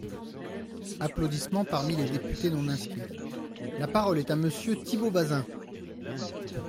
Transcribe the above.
(Applaudissements parmi les députés non inscrits.) La parole est à Monsieur Thibault Bazin.